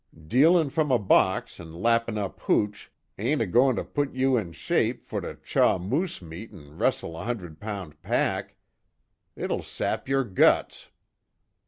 Dealin' from a box an' lappin' up hooch ain't a goin' to put you in shape for to chaw moose meat an' wrestle a hundred pound pack. It'll sap yer guts."